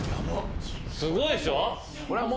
すごいっしょ。